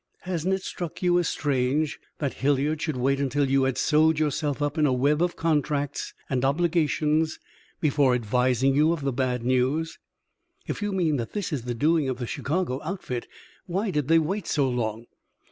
"Hasn't it struck you as strange that Hilliard should wait until you had sewed yourself up in a web of contracts and obligations before advising you of the bad news?" "If you mean that this is the doing of that Chicago outfit, why did they wait so long?